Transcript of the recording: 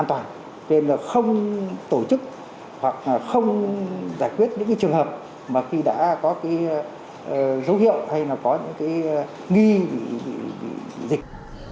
nên là không tổ chức hoặc không giải quyết những trường hợp mà khi đã có cái dấu hiệu hay là có những cái nghi bị dịch